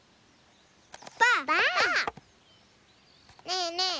ねえねえ